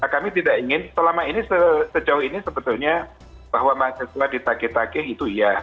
kami tidak ingin selama ini sejauh ini sebetulnya bahwa mahasiswa ditage take itu iya